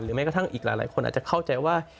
แม้กระทั่งอีกหลายคนอาจจะเข้าใจว่า